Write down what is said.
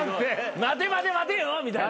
待て待て待てよみたいな。